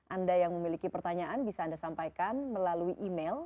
anda yang memiliki pertanyaan bisa anda sampaikan melalui email